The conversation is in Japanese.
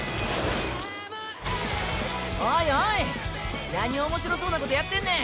おいおいなに面白そうなことやってんねん。